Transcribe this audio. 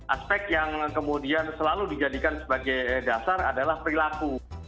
aspek yang kemudian selalu dijadikan sebagai dasar adalah perilaku